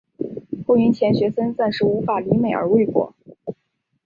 后因钱学森暂时无法离美而未果。